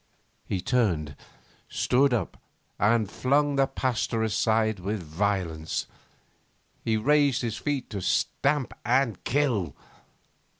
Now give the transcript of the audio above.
He turned, stood up, and flung the Pasteur aside with violence. He raised his feet to stamp and kill